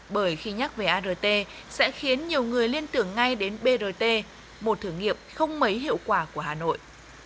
bởi khi nhắc về art sẽ khiến nhiều người liên tưởng ngay đến brt một thử nghiệm không mấy hiệu quả của hà nội